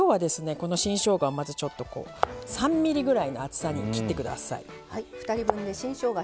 この新しょうがをまずちょっとこう３ｍｍぐらいの厚さに切ってください。